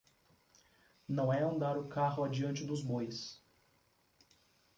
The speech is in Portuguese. Não é andar o carro adiante dos bois.